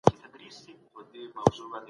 سازمانونه د نړیوال عدالت لپاره څه وړاندیز کوي؟